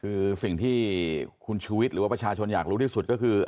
คือสิ่งที่คุณชูวิทย์หรือว่าประชาชนอยากรู้ที่สุดก็คือ